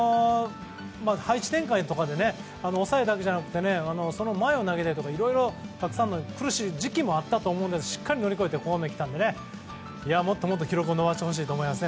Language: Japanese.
配置転換とかで抑えだけじゃなくて前を投げたりとかいろいろたくさん苦しい時期もあったと思うんですがしっかり乗り越えてここまで来たのでもっともっと記録を伸ばしてほしいと思います。